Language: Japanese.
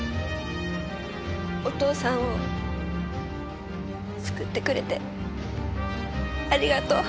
お父さんを救ってくれてありがとう！